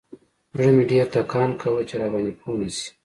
زړه مې ډېر ټکان کاوه چې راباندې پوه نسي.